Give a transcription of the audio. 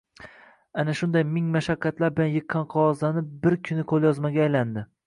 Ana shunday ming mashaqqatlar bilan yiqqan qog’ozlari bir kuni qo’lyozmaga aylandi.